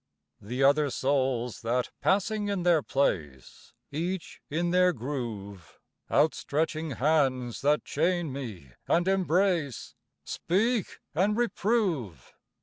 The other souls that, passing in their place, Each in their groove; Out stretching hands that chain me and embrace, Speak and reprove.